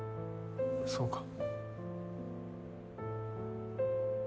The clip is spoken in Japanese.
そうか。